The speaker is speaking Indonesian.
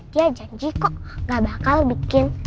dia janji kok gak bakal bikin